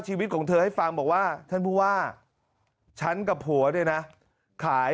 ชีวิตของเธอให้ฟังบอกว่าท่านผู้ว่าฉันกับผัวเนี่ยนะขาย